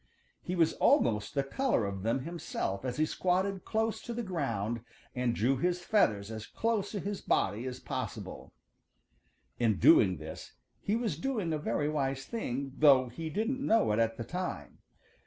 He was almost the color of them himself as he squatted close to the ground and drew his feathers as close to his body as possible. In doing this he was doing a very wise thing, though he didn't know it at the time.